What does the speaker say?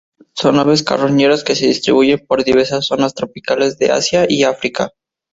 Son aves carroñeras que se distribuyen por diversas zonas tropicales de Asia y África.